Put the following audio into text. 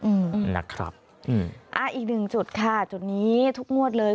อืมนะครับอืมอ่าอีกหนึ่งจุดค่ะจุดนี้ทุกงวดเลย